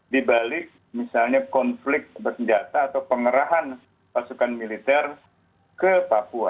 di balik misalnya konflik bersenjata atau pengerahan pasukan militer ke papua